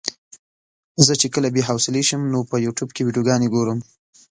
زه چې کله بې حوصلې شم نو په يوټيوب کې ويډيوګانې ګورم.